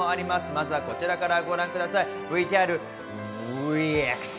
まずは、こちらからご覧ください。